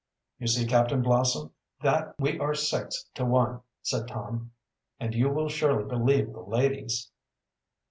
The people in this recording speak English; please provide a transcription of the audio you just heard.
"You see, Captain Blossom, that we are six to one," said Tom. "And you will surely believe the ladies."